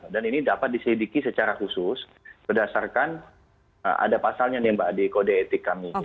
dan ini dapat disediki secara khusus berdasarkan ada pasalnya di kode etik kami